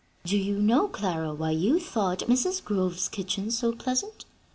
Do you know, Clara, why you thought Mrs. Grove's kitchen so pleasant?